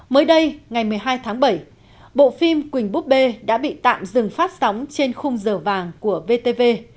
mới đây ngày một mươi hai tháng bảy bộ phim quỳnh búp bê đã bị tạm dừng phát sóng trên khung giờ vàng của vtv